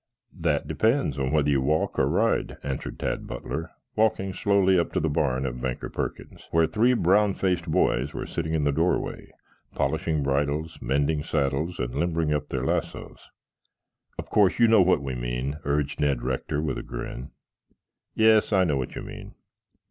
"That depends upon whether you walk or ride," answered Tad Butler, walking slowly up to the barn of Banker Perkins where three brown faced boys were sitting in the doorway, polishing bridles, mending saddles and limbering up their lassos. "Of course you know what we mean," urged Ned Rector with a grin. "Yes, I know what you mean."